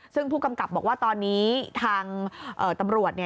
ซึ่งผู้กำกับบอกว่าตอนนี้ทางตำรวจ